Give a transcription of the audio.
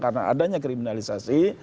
karena adanya kriminalisasi